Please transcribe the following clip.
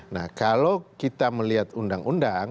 nah kalau kita melihat undang undang